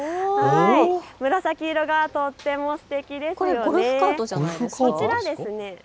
紫色がとってもすてきですよね。